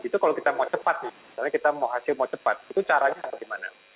itu kalau kita mau cepat nih misalnya kita mau hasil mau cepat itu caranya bagaimana